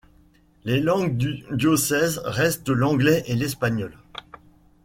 Les langues du diocèse restent l'anglais et l'espagnol.